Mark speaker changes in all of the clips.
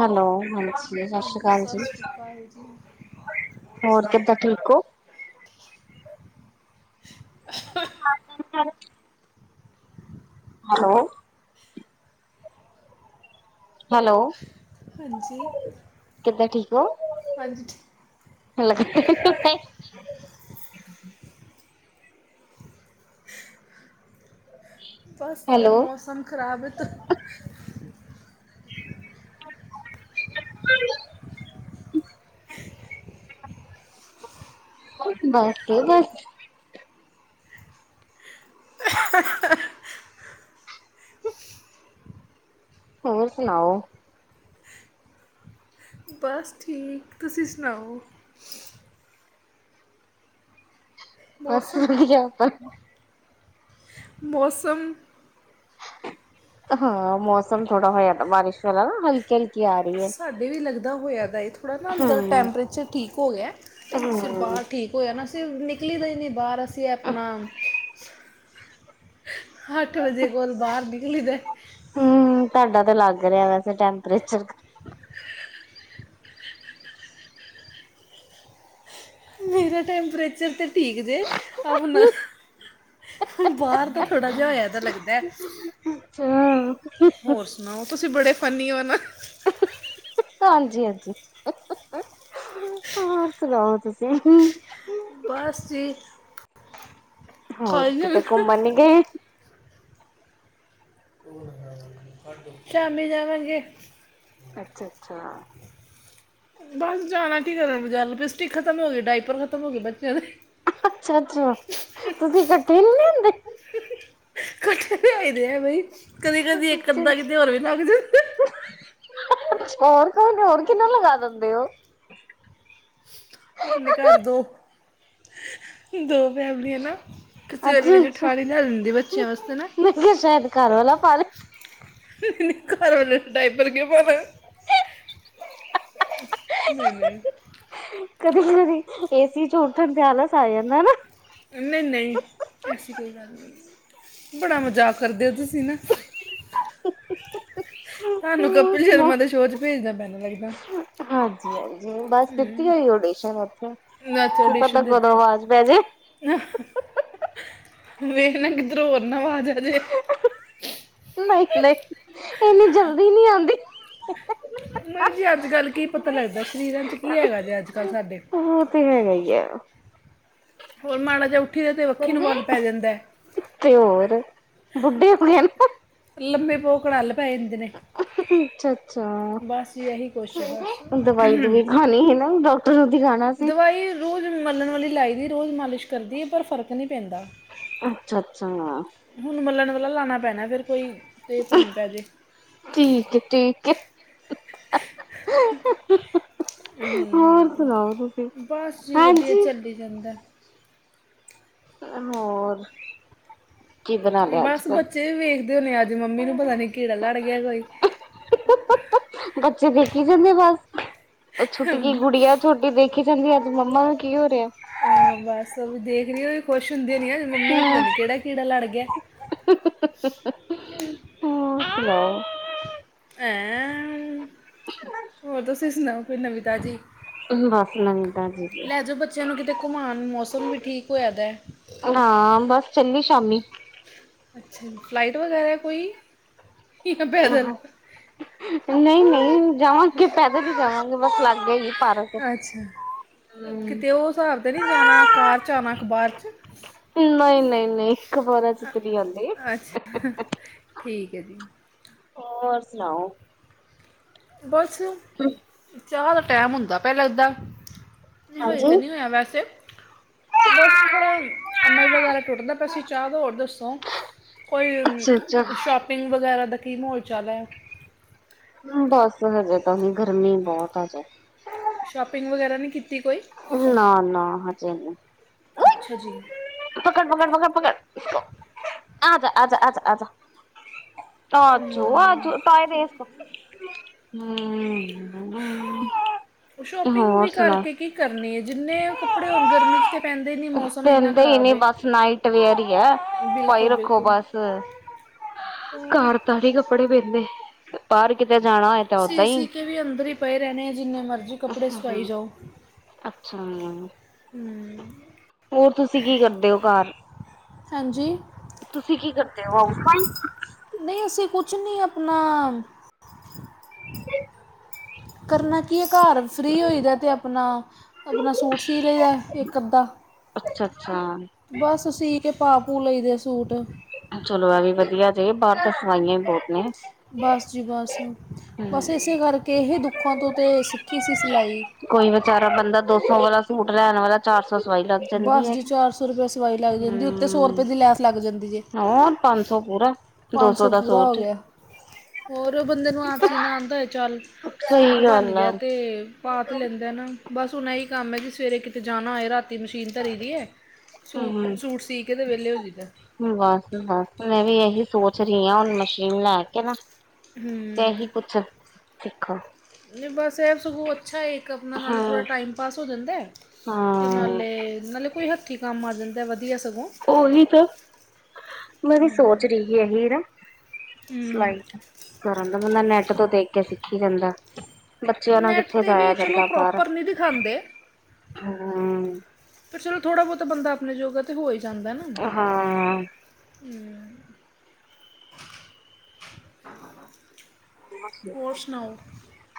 Speaker 1: Hello ਹਾਂਜੀ ਸਤਿ ਸ਼੍ਰੀ
Speaker 2: ਹਾਂਜੀ
Speaker 1: ਅਕਾਲ
Speaker 2: ਸਤਿ
Speaker 1: ਜੀ।
Speaker 2: ਸ਼੍ਰੀ ਅਕਾਲ ਜੀ
Speaker 1: ਹੋਰ ਕਿਦਾਂ ਠੀਕ ਹੋ। ਹਾਂਜੀ ਫੇਰ ਹੈਲੋ ਹੈਲੋ
Speaker 2: ਹਾਂਜੀ
Speaker 1: ਕਿੱਦਾਂ ਠੀਕ ਹੋ
Speaker 2: ਹਾਂਜੀ
Speaker 1: ਹੈਲ ਹ
Speaker 2: ਬਸ ਮੌਸਮ ਖਰਾਬ ਤਾਂ
Speaker 1: ਬੱਸ ਬੱਸ [unintelligible] ਹੋਰ ਸੁਣਾਓ
Speaker 2: ਬਸ ਠੀਕ ਤੁਸੀਂ ਸੁਣਾਓ।
Speaker 1: ਬਸ
Speaker 2: ਮੌਸਮ
Speaker 1: ਠੀਕ ਆਪਾ।
Speaker 2: ਮੌਸਮ।
Speaker 1: ਹਾਂ ਮੌਸਮ ਥੋੜਾ ਹੋ ਜਾਂਦਾ ਬਾਰਿਸ਼ ਵਾਲਾ ਨਾ ਹਲਕਾ। [unintelligible] [unintelligible]
Speaker 2: ਸਾਡੇ ਵੀ ਲੱਗਦਾ ਹੋਇਆ ਤਾਂ ਇਹ ਥੋੜ੍ਹਾ ਨਾ ਅੰਦਰ
Speaker 1: ਹਮ
Speaker 2: ਟੈਂਪਰੇਚਰ ਠੀਕ ਹੋ ਗਿਆ ਫਿਰ
Speaker 1: ਹਮ
Speaker 2: ਬਾਹਰ। ਠੀਕ ਹੋਇਆ ਨਾ ਅਸੀਂ ਨਿਕਲੀ ਦਾ ਹੀ ਨਹੀਂ ਬਾਹਰ ਅਸੀਂ ਆਪਣਾ ਅੱਠ ਵਜੇ ਕੋਲ ਬਾਹਰ ਨਿਕਲੀ ਦਾ।
Speaker 1: ਹਮ ਤੁਹਾਡਾ ਤੇ ਲੱਗ ਰਿਹਾ ਵੈਸੇ ਟੈਂਪਰੇਚਰ।
Speaker 2: ਮੇਰਾ ਟੈਂਪਰੇਚਰ ਤਾਂ ਠੀਕ ਜੇ ਆਪਣਾ ਬਾਹਰ ਤਾਂ ਥੋੜ੍ਹਾ ਜਿਹਾ ਹੋਇਆ ਤਾਂ ਲੱਗਦਾ।
Speaker 1: ਹਹ
Speaker 2: ਹੋਰ ਸੁਣਾਓ ਤੁਸੀਂ ਬੜੇ ਫੰਨੀ ਆਨ
Speaker 1: ਹਾਂਜੀ ਹਾਂਜੀ ਹੋਰ ਸੁਣਾਓ ਤੁਸੀਂ?
Speaker 2: ਬਸ ਜੀ।
Speaker 1: ਹੋਰ
Speaker 2: ਖਾਈ
Speaker 1: ਕਿਤੇ
Speaker 2: ਜਾਂਦੇ
Speaker 1: ਘੁੰਮਣ ਨਹੀਂ ਗਏ?
Speaker 2: ਸ਼ਾਮੀ ਜਾਵਾਂਗੇ।
Speaker 1: ਅੱਛਾ ਅੱਛਾ।
Speaker 2: ਬਸ ਜਾਣਾ ਕੀ ਕਰਨ ਬਜ਼ਾਰ ਲਿਪਸਟਿਕ ਖਤਮ ਹੋ ਗਏ ਡਾਇਪਰ ਖਤਮ ਹੋ ਗਏ ਬੱਚਿਆਂ ਦੇ।
Speaker 1: ਅੱਛਾ ਅੱਛਾ ਤੁਸੀਂ ਇਕੱਠੇ ਨਹੀ ਲਿਆਂਦੇ।
Speaker 2: ਇਕਠੇ ਹੋਈ ਦਾ ਬਈ ਕਦੀ ਕਦੀ ਇੱਕ
Speaker 1: ਅੱਛਾ-ਅੱਛਾ,
Speaker 2: ਅੱਧਾ ਕਿਤੇ ਹੋਰ ਵੀ ਲੱਗ ਜਾਂਦਾ।
Speaker 1: ਹੋਰ ਕੋਈ ਨ ਹੋਰ ਕਿੰਨਾ ਲਗਾ ਦਿੰਦੇ ਹੋ।
Speaker 2: ਆਪਣੇ ਘਰ ਦੋ ਦੋ ਫੈਮਲੀਆਂ ਨਾ। ਸਵੇਰੇ ਜਠਾਣੀ ਲੈ ਲੈਂਦੀ ਬੱਚਿਆਂ ਵਾਸਤੇ ਨਾ।
Speaker 1: ਜਾਂ ਸ਼ਾਇਦ ਘਰ ਵਾਲਾ ਪਾ।
Speaker 2: ਘਰ ਵਾਲੇ ਨੂੰ ਡਿੱਪਰ ਕਿਉਂ ਪਾਣਾ? ਨਹੀਂ ਨਹੀਂ।
Speaker 1: ਕਦੀ ਕਦੀ ਏਸੀ ਚ ਉਠਣ ਤੇ ਆਲਸ ਆ ਜਾਂਦਾ ਨਾ।
Speaker 2: ਨਹੀਂ ਨਹੀਂ ਐਸੀ ਕੋਈ ਗੱਲ ਨਹੀਂ। ਬੜਾ ਮਜ਼ਾਕ ਕਰਦੇ ਹੋ ਤੁਸੀਂ ਨਾ। ਤੁਹਾਨੂੰ
Speaker 1: ਹਮ।
Speaker 2: ਕਪਿਲ ਸ਼ਰਮਾ ਦੇ ਸ਼ੋਅ ਚ ਭੇਜਣਾ ਪੈਣਾ ਲੱਗਦਾ।
Speaker 1: ਹਾਂਜੀ ਹਾਂਜੀ ਬਸ ਦਿੱਤੀ
Speaker 2: ਹਮ,
Speaker 1: ਹੋਈ ਓਡੀਸ਼ਨ ਉਥੇ
Speaker 2: ਨਾ ਤੇ
Speaker 1: ਕੀ ਪਤਾ ਕਦੋਂ
Speaker 2: ਦਿੱਤੀ
Speaker 1: ਅਵਾਜ਼ ਪੈ ਜੇ।
Speaker 2: ਵੇਖ ਨਾ ਕਿਧਰੋਂ ਹੋਰ ਨਾ ਆਵਾਜ਼ ਆਜੇ।
Speaker 1: ਨਹੀਂ ਨਹੀਂ ਇੰਨੀ ਜਲਦੀ ਨੀ ਆਉਂਦੀ।
Speaker 2: ਨਹੀਂ ਜੀ ਅੱਜ ਕੱਲ੍ਹ ਕੀ ਪਤਾ ਲੱਗਦਾ ਸਰੀਰਾਂ ਚ ਕੀ ਹੈਗਾ ਜੇ ਅੱਜ ਕੱਲ੍ਹ ਸਾਡੇ।
Speaker 1: ਇਹ ਤੇ ਹੈਗਾ ਹੀ ਹੈ।
Speaker 2: ਹੋਰ ਮਾੜਾ ਜਾ ਉੱਠੀ ਦਾ ਤਾਂ ਵੱਖੀ ਨੂੰ ਵੱਲ ਪੈ ਜਾਂਦਾ।
Speaker 1: ਤੇ ਹੋਰ ਬੁੱਢੇ ਹੋ ਗਏ ਨਾ।
Speaker 2: ਲੰਮੇ ਪਓ ਕੜੱਲ ਪੈ ਜਾਂਦੇ ਨੇ।
Speaker 1: ਅੱਛਾ ਅੱਛਾ
Speaker 2: ਬਸ ਜੀ ਇਹੀ ਕੁਛ ਹੈ ਬਸ
Speaker 1: ਦਵਾਈ ਦੁਵਈ ਖਾਣੀ ਹੈ ਨਾ ਡਾਕਟਰ। ਨੂੰ ਦਿਖਾਣਾ ਸੀ
Speaker 2: ਦਵਾਈ ਰੋਜ਼ ਮਲਣ ਵਾਲੀ ਲਾਈ ਦੀ ਰੋਜ਼ ਮਾਲਿਸ਼ ਕਰਦੀ ਪਰ ਫਰਕ ਨਹੀਂ ਪੈਂਦਾ।
Speaker 1: ਅੱਛਾ ਅੱਛਾ।
Speaker 2: ਹੁਣ ਮੱਲਣ ਵਾਲਾ ਲਾਣਾ ਪੈਣਾ ਫਿਰ ਕੋਈ ਫਿਰ ਧਰਨ ਪੈ ਜੇ।
Speaker 1: ਠੀਕ ਹੈ, ਠੀਕ ਹੈ। ਹੋਰ
Speaker 2: ਹਮ,
Speaker 1: ਸੁਣਾਓ, ਤੁਸੀਂ
Speaker 2: ਬਸ ਜੀ ਵਧੀਆ
Speaker 1: ਹਾਂਜੀ?
Speaker 2: ਚੱਲੀ ਜਾਂਦਾ।
Speaker 1: ਹੋਰ? ਕੀ ਬਣਾ ਲਿਆ ਅੱਜ
Speaker 2: ਬਸ
Speaker 1: ਫਿਰ
Speaker 2: ਬੱਚੇ ਵੀ ਵੇਖਦੇ ਹੋਣੇ ਅੱਜ ਮੰਮੀ ਨੂੰ ਪਤਾ ਨੀ ਕੀੜਾ ਲੜ ਗਿਆ ਕੋਈ।
Speaker 1: ਬੱਚੇ ਦੇਖ ਹੀ ਜਾਂਦੇ ਬਸ। ਉਹ ਛੁਟਕੀ ਗੁੜੀਆਂ। ਛੋੱਟੀ ਦੇਖੀ ਜਾਂਦੀ ਅੱਜ ਮੰਮਾ ਦਾ ਕੀ ਹੋ ਰਿਹਾ।
Speaker 2: ਹਾਂ ਬਸ ਉਹ ਵੀ ਦੇਖ ਰਹੀ ਹੋਨੀ ਆ ਖੁਸ਼ ਹੁੰਦੀ ਹੋਣੀ ਆ ਮੰਮੀ ਨੂੰ ਪਤਾ ਨਹੀਂ ਕਿਹੜਾ ਕੀੜਾ ਲੜ ਗਿਆ।
Speaker 1: ਹਾਂ ਸੁਣਾਓ
Speaker 2: ਹੈਂ ਹੋਰ ਤੁਸੀਂ ਸੁਣਾਓ ਕੋਿਰ ਨਵਿਤਾ ਜੀ
Speaker 1: ਬਸ ਨਵੀਂ ਤਾਜੀ ਜੀ
Speaker 2: ਲੈ ਜਾਓ ਬੱਚਿਆਂ ਨੂੰ ਕਿਤੇ ਘੁਮਾਉਣ ਮੌਸਮ ਵੀ ਠੀਕ ਹੋਇਆ ਦਾ
Speaker 1: ਹਾਂ ਬਸ ਚੱਲੀ ਸ਼ਾਮੀ
Speaker 2: ਅੱਛਾ ਜ ਫਲਾਈਟ ਵਗੈਰਾ ਹੈ ਕੋਈ ਜਾਂ ਪੈਦਲ
Speaker 1: ਨਹੀਂ ਨਹੀਂ ਜਾਵਾਂਗੇ ਪੈਦਲ ਹੀ ਜਾਵਾਂਗੇ ਬਸ ਲੱਗੇ ਹੀ ਹੈ।
Speaker 2: ਅੱਛਾ ਕਿਤੇ ਤੇ ਉਹ ਹਿਸਾਬ ਤੇ ਨਹੀਂ ਜਾਣਾ ਕਾਰ ਚ ਆਣਾ ਅਖਬਾਰ 'ਚ।
Speaker 1: ਨਹੀਂ, ਨਹੀਂ, ਨਹੀਂ। ਖਬਰਾਂ ਚ ਤੇ ਨਹੀਂ ਆਉਂਦੀ
Speaker 2: ਅੱਛਾ, ਠੀਕ ਹੈ ਜੀ।
Speaker 1: ਹੋਰ ਸੁਣਾਓ?
Speaker 2: ਬੱਸ।
Speaker 1: ਹਮ।
Speaker 2: ਚਾਹ ਦਾ ਟੈਮ ਹੁੰਦਾ ਪਿਆ ਲੱਗਦਾ ਨਹੀਂ ਹਜੇ
Speaker 1: ਹਾਂਜੀ
Speaker 2: ਤਾਂ ਨਹੀਂ ਹੋਇਆ ਵੈਸੇ। ਬਸ ਥੋੜਾ ਅਮਲ ਵਗੈਰਾ ਟੁਟਦਾ ਪਿਆ ਸੀ ਚਾਹ ਤਾਂ ਹੋਰ ਦੱਸੋ। ਕੋਈ
Speaker 1: ਅੱਛਾ ਅੱਛਾ
Speaker 2: ਸ਼ੋਪਿੰਗ ਵਗੈਰਾ ਦਾ ਕੀ ਮਹੌਲ ਚੱਲ ਰਿਹਾ ਆ।
Speaker 1: ਬਸ ਹਜੇ ਤਾਂ ਗਰਮੀ ਬਹੁਤ ਆ ਹਜੇ।
Speaker 2: ਸ਼ੋਪਿੰਗ ਵਗੈਰਾ ਨਹੀਂ ਕੀਤੀ ਕੋਈ
Speaker 1: ਨਾ ਨਾ ਹਜੇ ਨ
Speaker 2: ਅੱਛਾ ਜੀ
Speaker 1: ਪਕੜ ਪਕੜ ਪਕੜ ਪਕੜ ਆ ਅ ਅ ਅ ਆਜੋ
Speaker 2: ਹੂੰ
Speaker 1: ਆਜੋ ਟਾਈਮ ਵੇਸਟ ਨਾ ਕਰ
Speaker 2: ਉਹ ਸ਼ੋਪਿੰਗ ਵੀ ਕਰਕੇ ਕੀ ਕਰਨੀ ਹੈ ਜਿੰਨੇ ਕੱਪੜੇ ਹੋਣ ਗਰਮੀ ' ਤਾਂ ਪੈਂਦੇ ਨਹੀਂ ਮੌਸਮ ਇੰਨਾ
Speaker 1: ਪੈਂਦੇ
Speaker 2: ਖਰਾਬ ਹੈ
Speaker 1: ਬਸ ਨਾਈਟ ਵੇਅਰ ਹੈ ਭਈ
Speaker 2: ਬਿਲਕੁਲ
Speaker 1: ਰੱਖੋ
Speaker 2: ਬਿਲਕੁਲ
Speaker 1: ਬੱਸ
Speaker 2: ਤਾਂ
Speaker 1: ਘਰ ਤ ਹੀ ਕੱਪੜੇ ਪੈਂਦੇ ਬਾਹਰ ਕਿਤੇ ਜਾਣਾ ਤਾਂ
Speaker 2: ਸੀ
Speaker 1: ਓਦਾਂ ਹੀ।
Speaker 2: ਸੀ ਕੇ ਵੀ ਅੰਦਰ ਹੀ ਪਏ ਰਹਿਣੇ ਆ ਜਿੰਨੇ ਮਰਜ਼ੀ ਕੱਪੜੇ ਸਵਾਈ ਜਾਓ
Speaker 1: ਅੱਛਾ
Speaker 2: ਹਮ
Speaker 1: ਹੋਰ ਤੁਸੀਂ ਕੀ ਕਰਦੇ ਹੋ ਘਰ
Speaker 2: ਹਾਂਜੀ
Speaker 1: ਤੁਸੀਂ ਕੀ ਕਰਦੇ ਹੋ
Speaker 2: ਨਹੀਂ ਅਸੀਂ ਕੁਛ ਨਹੀਂ ਆਪਣਾ
Speaker 1: ਹ
Speaker 2: ਕਰਨਾ ਕੀ ਹੈ ਘਰ ਫ੍ਰੀ ਹੋ ਦਾ ਅਤੇ ਆਪਣਾ ਆਪਣਾ ਸਟ ਸੀ ਲਈ ਦਾ ਇੱਕ ਅਧਾ
Speaker 1: ਅੱਛਾ-ਅੱਛਾ
Speaker 2: ਬਸ ਸੀ ਕਿ ਪਾ ਪੂ ਲਈ ਦੇ ਸੂਟ
Speaker 1: ਚਲੋ ਐ ਵੀ ਵਧੀਆ ਜ ਬਾਹਰ ਤਾਂ ਸਵਾਂਈਆਂ ਵੀ ਬਹੁਤ ਨੇ
Speaker 2: ਬਸ ਜੀ ਬਸ ਬਸ
Speaker 1: ਹੂੰ।
Speaker 2: ਇਸੇ ਕਰਕੇ ਇਹ ਦੁੱਖਾਂ ਤੋਂ ਤਾਂ ਸਿੱਖੀ ਸੀ ਸਿਲਾਈ
Speaker 1: ਕੋਈ ਵਿਚਾਰਾ ਬੰਦਾ ਦੋ ਸੌ ਵਾਲਾ ਸੂਟ ਲੈਣ ਵਾਲਾ ਚਾਰ ਸੌ ਸਵਾਈ ਲੱਗ ਜਾਂਦੀ
Speaker 2: ਬਸ
Speaker 1: ਹੈ
Speaker 2: ਜੀ ਰੁਪਏ ਸਵਾਈ ਲੱਗ
Speaker 1: ਤੇ
Speaker 2: ਜਾਂਦੀ ਉੱਤੇ
Speaker 1: ਹਮ
Speaker 2: ਰੁਪਏ ਦੀ ਲੈਸ ਲੱਗ ਜਾਂਦੀ ਜੇ
Speaker 1: ਹੋਰ ਪੰਜ ਸੌ ਪੂਰਾ ਦੋ ਸੌ ਦਾ
Speaker 2: ਪੂਰਾ ਹੋ
Speaker 1: ਸੋਟ
Speaker 2: ਗਿਆ ਹੋਰ ਬੰਦੇ ਨੂੰ ਆਪ ਸੀਨਾ ਆਉਂਦਾ ਹੋਏ ਚੱਲ ਸੂਟ
Speaker 1: ਸਹੀ
Speaker 2: ਬਣ
Speaker 1: ਗੱਲ ਆ।
Speaker 2: ਗਿਆ ਅਤੇ ਪਾ ਤ ਲੈਂਦੇ ਹਨ ਬਸ ਹੁਣ ਇਹੀ ਕੰਮ ਹੈ ਕਿ ਸਵੇਰੇ ਕਿਤੇ ਜਾਣਾ ਹੋਏ ਰਾਤੀ ਦੀ ਮਸ਼ੀਨ ਧਰੀ ਦੀ ਹੈੂ ਸੂਟ ਸੀ ਕੇ ਵਹਲੇ ਹੋ ਜਾਂਦਾ
Speaker 1: ਬਸ ਬਸ ਮੈਂ ਵੀ ਇਹੀ ਸੋਚ ਰਹੀ ਹਾਂ ਹੁਣ ਮਸ਼ੀਨ ਲੈ ਕੇ ਨਾ ਤੇ ਇਹੀ
Speaker 2: ਹੂੰ
Speaker 1: ਕੁਛ ਸਿੱਖੋ
Speaker 2: ਬਸ ਇਹ ਸੁਗੋਂ ਅੱਛਾ ਹੈ ਇੱਕ ਆਪਣਾ ਨਾਲ
Speaker 1: ਹਾਂ।
Speaker 2: ਹਾ ਟਾਈਮ ਪਾਸ ਹੋ ਜਾਂਦਾ
Speaker 1: ਹਾਂ
Speaker 2: ਅਤੇ ਨਾਲੇ ਨਾਲੇ ਕੋਈ ਹੱਥੀਂ ਕੰਮ ਆ ਜਾਂਦਾ ਵਧੀਆ ਸਗੋਂ
Speaker 1: ਹੀ ਤਾਂ ਮੈ ਵੀ ਸੋਚ ਰਹੀ ਇਹੀ ਨਾ
Speaker 2: ਹੂੰ
Speaker 1: ਸਲਾਈ ਕਰਨ ਦਾ ਬੰਦਾ ਨੈੱਟ ਤੋਂ ਦੇਖ ਕੇ ਸਿੱਖੀ ਜਾਂਦਾ। ਬੱਚਿਆਂ ਨੂੰ
Speaker 2: ਨੈਟ
Speaker 1: ਕਿੱਥੇ
Speaker 2: ਤੇ
Speaker 1: ਜਾਇਆ
Speaker 2: ਵੀ ਚਲੋ
Speaker 1: ਜਾਂਦਾ ਬਾਹਰ
Speaker 2: ਪ੍ਰੋਪਰ ਨਹੀਂ ਦਿਖਾਉਂਦੇ
Speaker 1: ਹੂੰ।
Speaker 2: ਪਰ ਚਲੋ ਥੋੜ੍ਹਾ ਬਹੁਤਾ ਬੰਦਾ ਆਪਣੇ ਯੋਗਾ ਤੇ ਹੋ ਹੀ ਜਾਂਦਾ ਆ।
Speaker 1: ਹਾਂ
Speaker 2: [inaudible] ਹੋਰ ਸੁਣਾਓ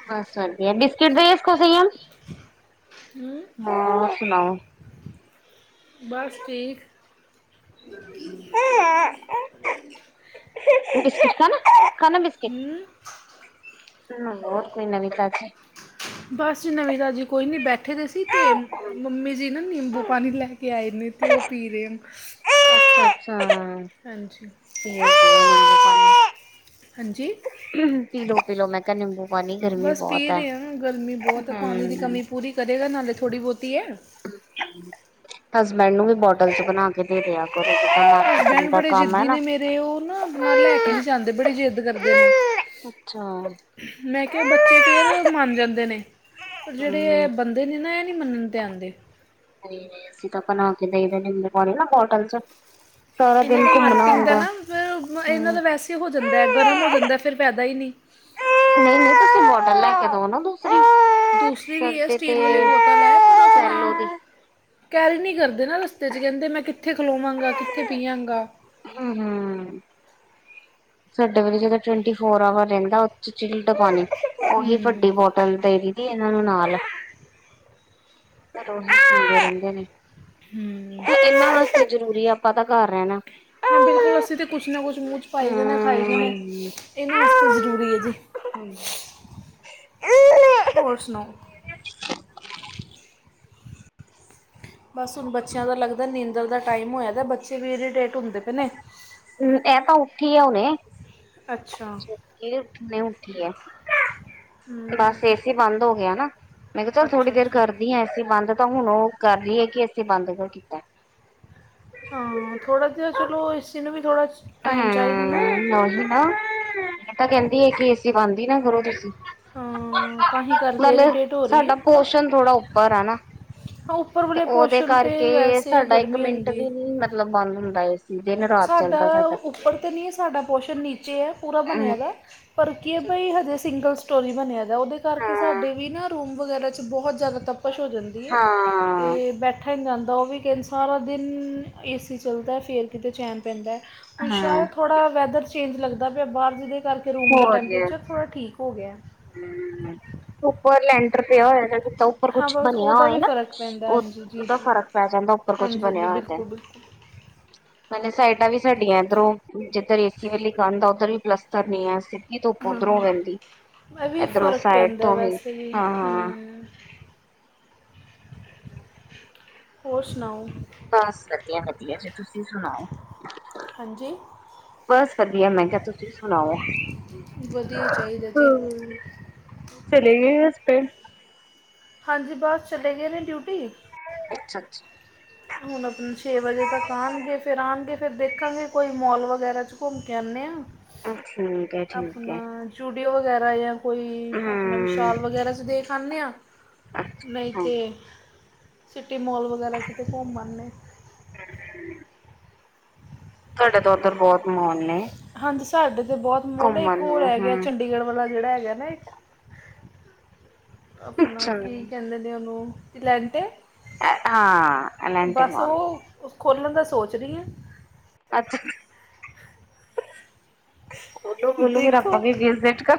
Speaker 1: ਬਸ ਵਧੀਆ ਬਿਸਕਿਟ ਦਿਓ ਇਸਕੋ ਸੰਯਮ
Speaker 2: ਹੂੰ
Speaker 1: ਹਾਂ ਸੁਣਾਓ
Speaker 2: ਬਸ ਠੀਕ
Speaker 1: ਦੁੱਧ ਪੀਤਾ ਖਾ ਨਾ ਬਿਸਕੁਟ
Speaker 2: ਹੂੰ
Speaker 1: ਹਮ ਹੋਰ ਕੋਈ ਨਵੀਂ ਕਜੇ
Speaker 2: ਬਸ ਜੀ ਨਵੀਂ ਤਾਂਜੀ ਕੋਈ ਨਹੀਂ ਬੈਠੇ ਦੇ ਸੀ ਤੇ ਮੰਮੀ ਜੀ ਨਾ ਨਿੰਬੂ ਪਾਣੀ ਲੈ ਕੇ ਆਏ ਨੇ ਅਤੇ ਉਹ ਪੀ ਰਹੇ
Speaker 1: ਹ
Speaker 2: ਹਾਂਜੀ ਹਾਂਜੀ
Speaker 1: ਪੀਲੋ- ਪੀਲੋ ਮੈਂ ਕਿਹਾ ਨਿੰਬੂ ਪਾਣੀ ਗਰਮੀ
Speaker 2: ਬਸ
Speaker 1: ਬਹੁਤ
Speaker 2: ਪੀ
Speaker 1: ਹੈ।
Speaker 2: ਰਹੇ ਹਾਂ ਨਾ ਗਰਮੀ ਬਹੁਤ ਪਾਣੀ ਦੀ
Speaker 1: ਹਮ।
Speaker 2: ਕਮੀ ਪੂਰੀ ਕਦੇ ਨਾਲੇ ਥੋੜ੍ਹੀ ਬਹੁਤੀ ਐ।
Speaker 1: ਹਸਬੈਂਡ ਨੂੰ ਵੀ ਬੋਟਲ 'ਚ ਬਣਾ ਕੇ ਦੇ ਦਿਆ [inaudible]
Speaker 2: ਹਸਬੈਂਡ
Speaker 1: ਦਾ
Speaker 2: ਬੜੇ
Speaker 1: ਕੰਮ ਹੈ
Speaker 2: ਜਿੱਦੀ
Speaker 1: ਨਾ।
Speaker 2: ਨੇ ਮੇਰੇ ਉਹ ਨਾ ਆਪਣਾ ਲੈ ਕੇ ਨਹੀਂ ਜਾਂਦੇ ਬੜੀ ਜਿੱਦ ਕਰਦੇ ਨੇ।
Speaker 1: ਅੱਛਾ
Speaker 2: ਮੈਂ ਕਿਹਾ ਬੱਚੇ ਫੇਰ ਮੰਨ ਜਾਂਦੇ ਨੇ ਪਰ ਜਿਹੜੇ ਇਹ
Speaker 1: ਹਮ
Speaker 2: ਬੰ ਦੇ ਨਾ ਨ ਨਹੀਂ ਮੰਨਣ ਤੇ ਆਂਦੇ।
Speaker 1: ਸੀਂ ਤਾਂ ਬਣਾ ਕੇ ਦੇਈ ਦੇ ਨਿੰਬੂ ਪਾਣੀ ਨਾ ਬੋਟਲ 'ਚ ਸਾਰਾ
Speaker 2: ਇਹਨਾਂ
Speaker 1: ਦਿਨ
Speaker 2: ਦਾ
Speaker 1: ਘੁੰਮਣਾ
Speaker 2: ਮਾਰਕੀਟਿੰਗ ਦਾ
Speaker 1: ਹੁੰਦਾ
Speaker 2: ਨਾ ਫਿਰ ਇਹਨਾਂ
Speaker 1: ਹਮ।
Speaker 2: ਦਾ ਵੈਸੇ ਹੀ ਹੋ ਜਾਂਦਾ ਗਰਮ ਹੋ ਜਾਂਦਾ ਫਿਰ ਪੈਦਾ ਹੀ ਨਹੀਂ।
Speaker 1: ਨਹੀਂ-ਨਹੀਂ ਤੁਸੀਂ ਬੋਟਲ ਲੈ ਕੇ ਦੋ ਨਾ ਦੂਸਰੀ [inaudible]
Speaker 2: ਦੂਸਰੀ ਵੀ ਹੈ
Speaker 1: ਸਾਡੇ ਤੇ
Speaker 2: ਸਟੀਲ ਵਾਲੀ ਬੋਤਲ ਹੈ ਪਰ ਆਪਣਾ
Speaker 1: ਸੈਲੋ ਦੀ
Speaker 2: ਕੈਰੀ ਨਹੀਂ ਕਰਦੇ ਨਾ ਰਸਤੇ 'ਚ ਕਹਿੰਦੇ ਮੈਂ ਕਿੱਥੇ ਖਲੋਵਾਂਗਾ ਕਿੱਥੇ ਪਿਆਂਗਾ।
Speaker 1: ਹੂੰ -ਹੂੰ ਸਾਡੇ ਵੇ ਜਦੋਂ ਟਵੰਟੀ ਫੋਰ ਆਵਰ ਰਹਿੰਦਾ ਉਹ ਚੀਲਡ ਪਾਣੀ ਉਹੀ
Speaker 2: ਹੂੰ
Speaker 1: ਵੱਡੀ ਬੋਤ ਤਲ ਦੇਦੀ ਇਹਨਾਂ ਨੂੰ ਨਾਲ ਰਹਿੰਦੇ ਨੇ। [inaudible]
Speaker 2: ਹੂੰ
Speaker 1: ਤੇ ਇਹਨਾਂ ਵਾਸਤੇ ਜਰੂਰੀ ਆਪਾਂ ਤਾਂ ਘਰ ਰਹਿਣਾ।
Speaker 2: ਹਾਂ ਬਿਲਕੁਲ ਅਸੀਂ ਤਾਂ ਕੁਛ ਨਾ ਕੁਛ ਮੂੰਹ 'ਚ ਪਾਈ ਜਾਣਾ ਖਾਈ ਜਾਣੇ।
Speaker 1: ਹਮ
Speaker 2: ਇਹਨਾਂ ਵਾਸਤੇ ਜ਼ਰੂਰੀ ਹੈ ਜੀ ਹੋਰ ਸੁਣਾਓ।
Speaker 1: [inaudible]
Speaker 2: ਬਸ ਹੁਣ ਬੱਚਿਆਂ ਦਾ ਲੱਗਦਾ ਨੀਂਦਰ ਦਾ ਟਾਈਮ ਹੋਇਆ ਤਾਂ ਬੱਚੇ ਵੀ ਇਰੀਟੇਟ ਹੁੰਦੇ ਭੈ ਨੇ।
Speaker 1: ਹੂੰ ਇਹ ਤਾਂ ਉੱਠੀ ਆ ਹੁਨੇ।
Speaker 2: ਅੱਛਾ
Speaker 1: ਇਹ ਹੁਣੇ ਉੱਠੀ ਹੈ। ਬਸ
Speaker 2: ਹਮ,
Speaker 1: ਏਸੀ ਬੰਦ ਹੋ ਗਿਆ ਨਾ ਮੈਂ ਕਿਹਾ ਚੱਲ ਥੋੜੀ
Speaker 2: ਅੱਛਾ
Speaker 1: ਦੇਰ
Speaker 2: ਅੱਛਾ
Speaker 1: ਕਰਦੀ ਹਾਂ ਏਸੀ ਬੰਦ ਤਾਂ ਹੁਣ ਉਹ ਕਰ ਰਹੀ ਹੈ ਕਿ ਏਸੀਂ ਬੰਦ ਕਿਉ ਕਰ ਕੀਤਾ।
Speaker 2: ਥੋੜ੍ਹਾ ਜਿਹਾ ਚਲੋ ਇਸਏ ਸੀ ਨੂੰ ਵੀ ਥੋੜ੍ਹਾ ਟਾਈਮ ਚਾਹੀਦਾ ਨਾ
Speaker 1: ਹੂੰ ਨਹੀਂ ਨਾ ਇਹ ਤਾਂ ਕਹਿੰਦੀ ਹੈ ਕਿ ਏਸੀ ਬਣਦੀ ਨਾ ਕਰੋ ਤੁਸੀਂ
Speaker 2: ਹਾਂ ਤਾਂ ਹੀ ਕਰਕੇ
Speaker 1: ਮਤਲਬ
Speaker 2: ਇਰੀਟੇਟ ਹੋ
Speaker 1: ਸਾਡਾ ਪੋਸ਼ਣ ਥੋੜਾ ਉੱਪਰ ਹੈ ਨਾ।
Speaker 2: ਹ
Speaker 1: ਤੇ ਉਹਦੇ ਕਰਕੇ ਸਾਡਾ ਇੱਕ ਮਿੰਟ
Speaker 2: ਹੁੰਦੀ ਹੈ
Speaker 1: ਵੀ ਨੀ ਮਤਲਬ ਬੰਦ ਹੁੰਦਾ ਏ ਸ
Speaker 2: ਸਾਡਾ ਉੱਪਰ ਤਾਂ ਨਹੀਂ ਹੈ ਸਾਡਾ ਪੋਸ਼ਣ ਨੀਚੇ ਹੈ ਪੂਰਾ ਬਣਿਆ
Speaker 1: ਹਾਂ
Speaker 2: ਦਾ। ਪਰ ਕੀ ਹੈ ਬਾਈ ਹਜੇ ਸਿੰਗਲ ਸਟੋਰੀ ਬਣਿਆ ਦਾ ਉਹਦੇ ਕਰਕੇ ਸਾਡੇ ਵੀ ਨਾ ਰੂਮ ਵਗੈਰਾ 'ਚ ਬਹੁਤ ਜ਼ਿਆਦਾ ਸਭ ਕੁਛ ਹੋ ਜਾਂਦੀ ਹੈ
Speaker 1: ਹਾਂ
Speaker 2: ਤੇ ਬੈਠ ਠਿਆ ਹੀ ਨਹੀਂ ਜਾਂਦਾ ਉਹ ਵੀ ਕਹਿੰਦਾ ਸਾਰਾ ਦਿਨ ਏ ਸੀ ਚੱਲਦਾ ਫੇਰ ਕਿਤੇ ਚੈਣ ਪੈਂਦਾ। ਹੁਣ
Speaker 1: ਹਾਂ
Speaker 2: ਸ਼ਾਇਦ ਥੋੜ੍ਹਾ ਵੈਦਰ ਚੇਂਜ ਲੱਗਦਾ ਪਿਆ ਬਾਹਰ ਜਿਹਦੇ ਕਰਕੇ ਰੂਮ ਦਾ
Speaker 1: ਹੋਰ
Speaker 2: ਟੈਂਪਰੇਚਰ ਥੋੜ੍ਹਾ ਠੀਕ ਹੋ ਗਿਆ
Speaker 1: ਉੱਪਰ ਲੈਂਟਰ ਪਿਆ ਹੋਇਆ ਉੱਪਰ
Speaker 2: ਹਾਂ
Speaker 1: ਕੁਛ
Speaker 2: ਬਸ
Speaker 1: ਬਣਿਆ
Speaker 2: ਉਹਦਾ
Speaker 1: ਹੋਆ
Speaker 2: ਵੀ
Speaker 1: ਨਾ,
Speaker 2: ਫਰਕ ਪੈਂਦਾ
Speaker 1: ਉਹ
Speaker 2: ਹਾਂਜੀ ਜੀ
Speaker 1: ਉਹਦਾ
Speaker 2: ਜੀ
Speaker 1: ਫ਼ਰਕ ਪੈ ਜਾਂਦਾ ਉੱਪਰ ਕੁਛ
Speaker 2: ਹਾਂਜੀ ਹਾਂਜੀ
Speaker 1: ਬਣਿਆ ਹੋਆ ਤੇ
Speaker 2: ਬਿਲਕੁਲ [inaudible]
Speaker 1: ਮੇ ਸਾਈਡਾਂ ਵੀ ਸਾਡੀਆਂ ਇੱਧਰੋਂ ਜਿੱਧਰ ਏਸੀ ਵਾਲੀ ਕੰਧ ਉੱਧਰ ਵੀ ਪਲੱਸਤਰ ਨਹੀਂ ਹੈ ਸੀ। ਇਹ ਤੂੰ
Speaker 2: ਹਾਂ
Speaker 1: ਉੱਧਰੋਂ ਵਹਦੀ
Speaker 2: ਇਹ ਵੀ ਫ਼ਰਕ ਪੈਂਦਾ ਵੈਸੇ ਵੀ
Speaker 1: ਹਾਂ ਹਾਂ
Speaker 2: ਹੂੰ।
Speaker 1: [inaudible]
Speaker 2: ਹੋਰ ਸੁਣਾਓ।
Speaker 1: ਬਸ ਵਧੀਆ ਵਧੀਆ ਜ ਤੁਸੀਂ ਸੁਣਾਓ।
Speaker 2: ਹਾਂਜੀ
Speaker 1: ਬਸ ਵਧੀਆ ਮੈਂ ਕਿਹਾ ਤੁਸੀਂ ਸੁਣਾਓ।
Speaker 2: ਦੀ ਚਾਹੀਦਾ ਜੀ।
Speaker 1: ਚਲੇ ਗਏ ਉਸ ਪੇ
Speaker 2: ਹਾਂਜੀ ਬਸ ਚਲੇ ਗਏ ਨੇ ਡਿਊਟੀ
Speaker 1: ਅੱਛਾ, ਅੱਛਾ।
Speaker 2: ਹੁਣ ਆਪ ਛੇ ਵਜੇ ਤੱਕ ਆਉਣਗੇ ਫਿਰ ਆਉਣਗੇ ਫਿਰ ਦੇਖਾਂਗੇ ਕੋਈ ਮੋਲ ਵਗੈਰਾ 'ਚ ਘੁੰਮ ਕੇ ਆਉਂਦੇ ਹਾਂ
Speaker 1: ਠੀਕ ਹੈ ਠੀਕ
Speaker 2: ਆਪਣਾ
Speaker 1: ਹੈ
Speaker 2: ਯੂਡੀਓ ਵਗੈਰਾ ਜਾਂ ਕੋਈ ਆਪਣਾ
Speaker 1: ਹਮ
Speaker 2: ਵਿਸ਼ਾਲ ਵਗੈਰਾ ਦੇਖ ਆਉਦੇ ਹਾਂ ਨਹੀਂ
Speaker 1: ਅੱਛਾ ਅੱਛਾ
Speaker 2: ਤਾਂ ਸਿਟੀ ਮੋਲ ਵਗੈਰਾ ਕਿਤੇ ਘੁੰਮ ਆਉਂਦੇ।
Speaker 1: ਹਮ ਤੁਹਾਡੇ ਤਾਂ ਉੱਧਰ ਬਹੁਤ ਮਾਹੋਲ ਨੇ।
Speaker 2: ਹਾਂਜੀ ਸਾਡੇ ਤਾਂ ਬਹੁਤ ਮੋਲ ਇੱਕ
Speaker 1: ਘੁੰਮਣ
Speaker 2: ਹੋਰ
Speaker 1: ਨੂੰ
Speaker 2: ਹੈਗਾ
Speaker 1: ਹਮ
Speaker 2: ਚੰਡੀਗੜ੍ਹ ਵਾਲਾ ਜਿਹੜਾ ਹੈਗਾ ਨਾ ਆਪਣਾ
Speaker 1: ਅੱਛਾ
Speaker 2: ਕੀ ਕਹਿੰਦੇ ਨੇ ਉਹਨੂੰ ਇਲੈਂਟੇ-
Speaker 1: ਹਾਂ ਐਲੈਂਟੇ
Speaker 2: ਬਸ
Speaker 1: ਮੋਲ
Speaker 2: ਉਹ ਖੋਲਣ ਦਾ ਸੋਚ ਰਹੀ ਆ
Speaker 1: ਅੱਛਾ। ਬੋਲੋ-ਬੋਲੋ ਆਪਾਂ
Speaker 2: ਦੇਖੋ
Speaker 1: ਵੀ ਵੀੇਸ ਦੇਟ ਕਰ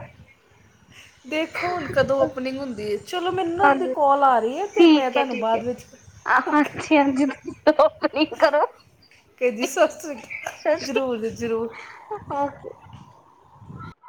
Speaker 2: ਦੇਖੋ ਹੁਣ ਕਦੋਂ ਓਪਨਿੰਗ ਹੁੰਦੀ ਏ। ਚਲੋ ਮੈਨੂੰ ਦੀ ਕੋਲ ਆ ਰਹੀ ਹੈ ਅਤੇ ਮੈਂ ਤੁਹਾਨੂੰ ਬਾਅਦ ਵਿੱਚ
Speaker 1: ਆ
Speaker 2: ਓਕੇ
Speaker 1: ਹਾਂਜੀ- ਹਾਂਜੀ ਤੁਸੀ ਉਪਨਿੰਗ ਕਰੋ
Speaker 2: ਕੇ ਜੀ ਸਤਤ੍ਰੀ
Speaker 1: ਸਤਿ ਸ਼੍ਰੀ
Speaker 2: ਜ਼ਰੂਰ -ਜ਼ਰੂਰ।
Speaker 1: ਅਕਾਲ ਓਕੇ